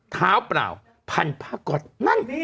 เท้าเปล่าพันภาคกฎนั่น